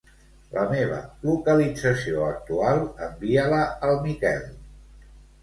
La meva localització actual, envia-la al Miquel.